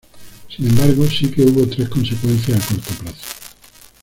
Sin embargo, sí que hubo tres consecuencias a corto plazo.